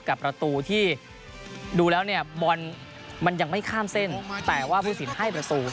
กับประตูที่ดูแล้วเนี่ยบอลมันยังไม่ข้ามเส้นแต่ว่าผู้สินให้ประตู